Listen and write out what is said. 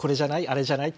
あれじゃない？